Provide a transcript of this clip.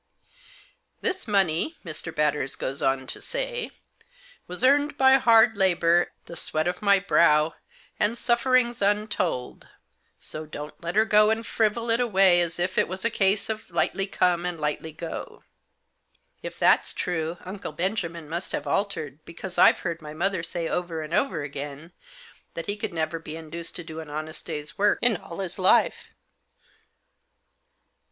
"'This money/ Mr. Batters goes on to say, 'was earned by hard labour, the sweat of my brow, and sufferings untold, so don't let her go and frivol it away as if it was a case of lightly come and lightly go.'" " If that's true, Uncle Benjamin must have altered, because I've heard my mother say, over and over again, that he never could be induced to do an honest day's work in all his life."